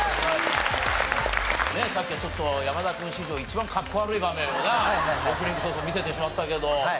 さっきはちょっと山田君史上一番かっこ悪い場面をなオープニング早々見せてしまったけど。